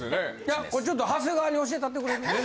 これちょっと長谷川に教えたってくれる？